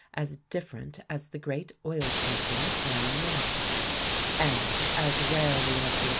as different as the grr_: _ T lilting and the miniatare. And as rarely as th r